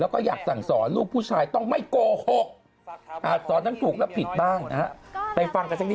คุณเดียนะครับเป็นคนที่